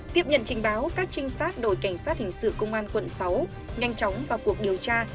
tiếp nhận trình báo các trinh sát đội cảnh sát hình sự công an quận sáu nhanh chóng vào cuộc điều tra